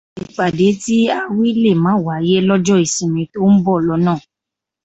Ìpàdá tí a wí lè má wáyé lọ́jọ́ ìsinmi tó ń bọ̀ lọ́nà